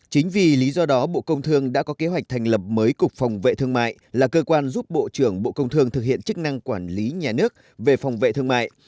chính vì lý do đó bộ công thương đã có kế hoạch thành lập mới cục phòng vệ thương mại là cơ quan giúp bộ trưởng bộ công thương thực hiện chức năng quản lý nhà nước về phòng vệ thương mại